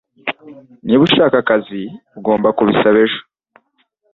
Niba ushaka aka kazi, ugomba kubisaba ejo.